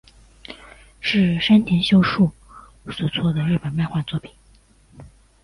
是山田秀树所作的日本漫画作品。